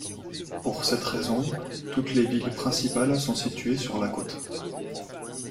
Pour cette raison, toutes les villes principales sont situées sur la côte.